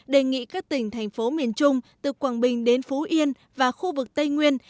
đề nghị các tỉnh thành phố miền trung từ quảng bình đến phú yên và khu vực tây nguyên